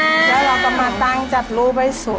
แล้วเราก็มาตั้งจัดรูไปสวน